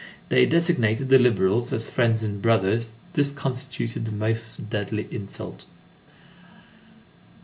They designated the liberals as f_riends and brothers_; this constituted the most deadly insult.